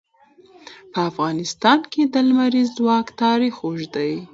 په افغانستان کې د لمریز ځواک تاریخ اوږد دی.